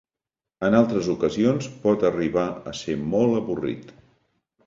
En altres ocasions, pot arribar a ser molt avorrit.